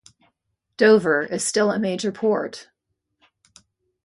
Dover is still a major port.